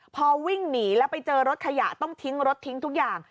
พอวิ่งหนีแล้วไปเจอรถขยะต้องทิ้งรถทิ้งทุกอย่าง